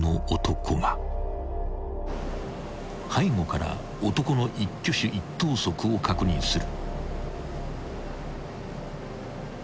［背後から男の一挙手一投足を確認する］